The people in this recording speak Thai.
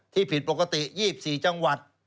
ผิดปกติ๒๔จังหวัด